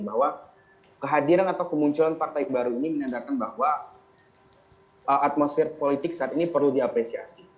bahwa kehadiran atau kemunculan partai baru ini menandakan bahwa atmosfer politik saat ini perlu diapresiasi